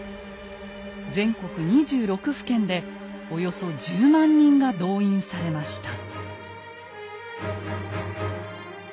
全国２６府県でおよそ１０万人が動員されました。